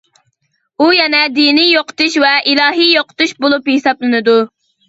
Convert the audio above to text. ئۇ يەنە دىنىي يوقىتىش ۋە ئىلاھىي يوقىتىش بولۇپ ھېسابلىنىدۇ.